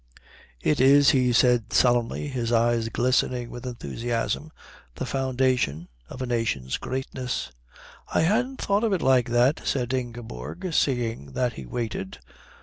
"It is," he said solemnly, his eyes glistening with enthusiasm, "the foundation of a nation's greatness." "I hadn't thought of it like that," said Ingeborg, seeing that he waited.